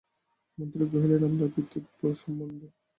মন্ত্রী কহিলেন, আপনার পিতৃব্য সম্বন্ধে।